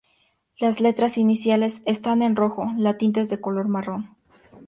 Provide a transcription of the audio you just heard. Las letras iniciales están en rojo, la tinta es de color marrón.